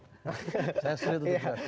saya serius untuk tidak setuju